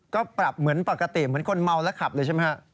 ก็ปรับเหมือนปกติเหมือนคนเมาและขับเลยใช่ไหมฮะ